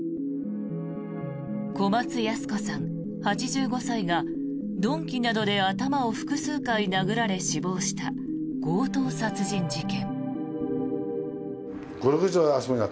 小松ヤス子さん、８５歳が鈍器などで頭を複数回殴られ死亡した強盗殺人事件。